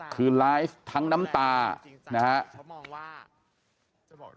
คือไลฟ์ทั้งน้ำตานะครับ